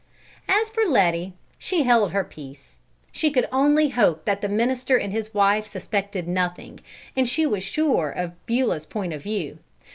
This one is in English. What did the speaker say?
As for Letty, she held her peace. She could only hope that the minister and his wife suspected nothing, and she was sure of Beulah's point of view.